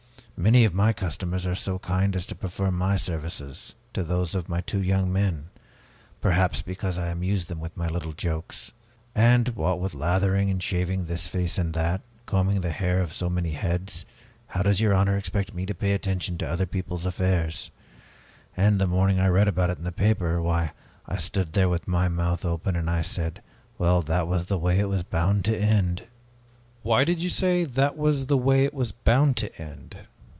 Many of my customers are so kind as to prefer my services to those of my two young men; perhaps because I amuse them with my little jokes. And, what with lathering and shaving this face and that, and combing the hair on so many heads how does your honor expect me to pay attention to other people's affairs? And the morning that I read about it in the paper, why, I stood there with my mouth wide open, and I said, 'Well, that was the way it was bound to end!'" "Why did you say, 'That was the way it was bound to end'?"